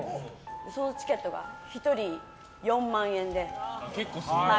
そのチケットが１人４万円で。